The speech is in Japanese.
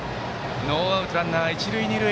ノーアウトランナー、一塁二塁。